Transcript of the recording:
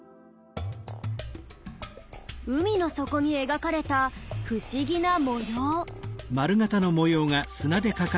海の底に描かれた不思議な模様。